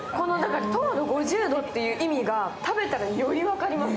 糖度５０度という意味が食べたらより分かります。